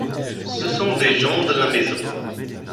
Ce sont des gens de la maison.